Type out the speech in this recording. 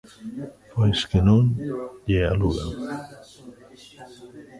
Pois que non lle alugan.